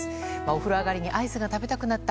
風呂上がりにアイスが食べたくなった。